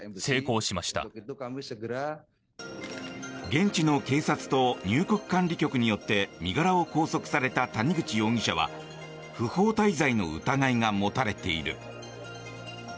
現地の警察と入国管理局によって身柄を拘束された谷口容疑者は不法滞在の疑いが持たれている。